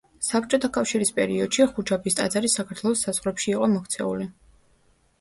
საბჭოთა კავშირის პერიოდში ხუჯაბის ტაძარი საქართველოს საზღვრებში იყო მოქცეული.